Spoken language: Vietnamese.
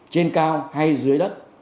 trên cao hay dưới đất